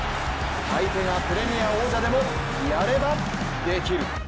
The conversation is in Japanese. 相手がプレミア王者でもやればできる。